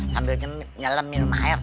sambil nyelam minum air